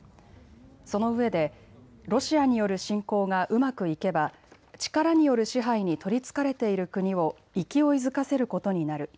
そのうえでロシアによる侵攻がうまくいけば力による支配に取りつかれている国を勢いづかせることになる。